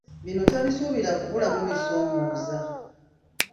Bino tabisuubira kubulamu bisoomooza.